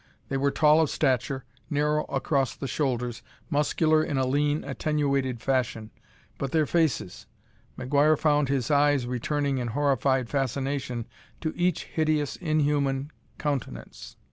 They were tall of stature, narrow across the shoulders, muscular in a lean, attenuated fashion. But their faces! McGuire found his eyes returning in horrified fascination to each hideous, inhuman countenance.